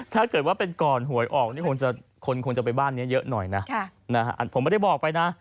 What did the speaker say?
ถ้าเกิดว่าเป็นก่อนหวยออกนี่คงจะไปบ้านนี้เยอะหน่อยนะผมไม่ได้บอกไปนะ